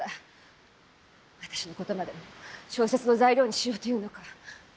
私のことまで小説の材料にしようというのか？